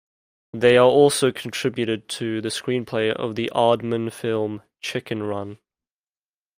They are also contributed to the screenplay of the Aardman film "Chicken Run".